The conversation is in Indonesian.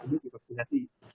kemudian uji kinesis dibesan